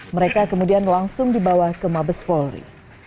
mereka kemudian langsung dibawa ke mabes polri